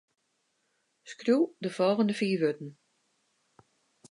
Skriuw de folgjende fiif wurden.